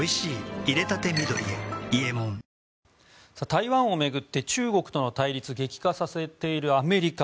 台湾を巡って中国との対立を激化させているアメリカ。